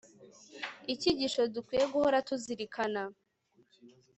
Icyigisho Dukwiriye Guhora Tuzirikana